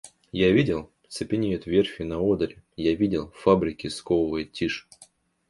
Я видел — цепенеют верфи на Одере, я видел — фабрики сковывает тишь.